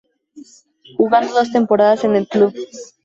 Jugando dos temporadas en el club.